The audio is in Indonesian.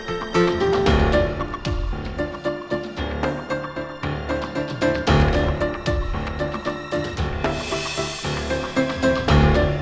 ini juga sama nasibnya